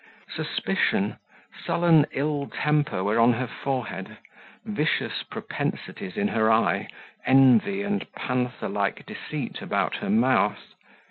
Suspicion, sullen ill temper were on her forehead, vicious propensities in her eye, envy and panther like deceit about her mouth.